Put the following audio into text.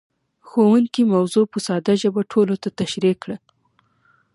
ښوونکی موضوع په ساده ژبه ټولو ته تشريح کړه.